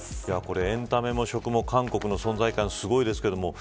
エンタメも食も韓国の存在感がすごいです。